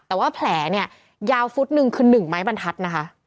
แต่ว่าแผลเนี่ยยาวฟุตหนึ่งคือ๑ไม้บรรทัศน์นะคะ